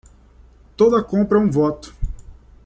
Toda compra é um voto.